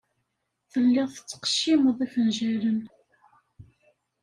Telliḍ tettqeccimeḍ ifenjalen.